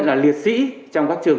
của liệt sĩ công an dân